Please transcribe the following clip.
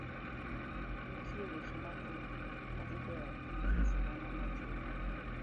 Nitie weche mathoth ma idewo kindiko sigana machuok.